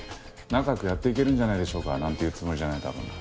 仲良くやっていけるんじゃないでしょうかなんて言うつもりじゃないだろうな。